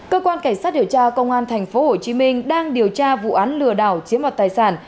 cơ quan cảnh sát điều tra công an tp hcm đang điều tra vụ án lừa đảo chiếm đoạt tài sản